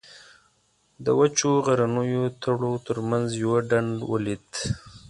د وچو غرنیو تړو تر منځ یو ډنډ ولید.